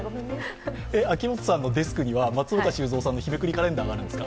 秋元さんのデスクには松岡修造さんの日めくりカレンダーがあるんですか？